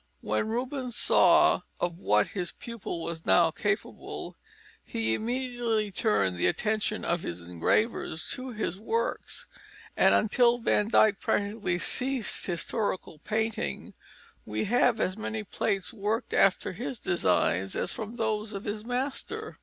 When Rubens saw of what his pupil was now capable, he immediately turned the attention of his engravers to his works, and until Van Dyck practically ceased historical painting, we have as many plates worked after his designs as from those of his master.